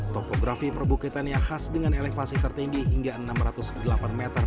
topografi perbukitan yang khas dengan elevasi tertinggi hingga enam ratus delapan meter